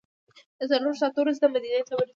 له څلورو ساعتو وروسته مدینې ته ورسېدو.